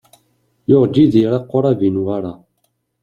Yuɣ-d Yidir aqrab i Newwara.